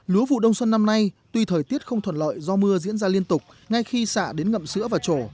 lúa vụ đông xuân năm nay tuy thời tiết không thuận lợi do mưa diễn ra liên tục ngay khi xạ đến ngậm sữa và trổ